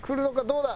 どうだ？